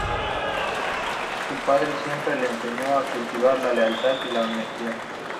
Su padre siempre le enseñó a cultivar la lealtad y la honestidad.